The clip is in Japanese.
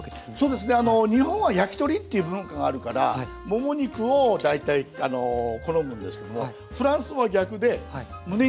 そうですね日本は焼き鳥っていう文化があるからもも肉を大体好むんですけどもフランスは逆でむね肉です。